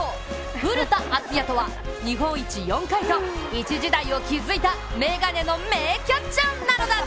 古田敦也とは日本一４回と一時代を築いた眼鏡の名キャッチャーなのだ。